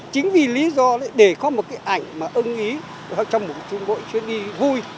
chính vì lý do để có một cái ảnh mà ưng ý trong một chuyến đi vui